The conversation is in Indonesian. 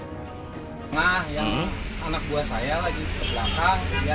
nah yang anak buah saya lagi ke belakang